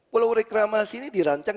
walau reklamasi ini dirancang